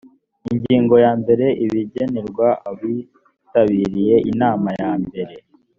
ingingo ya mbere ibigenerwa abitabiriye inama ya mbere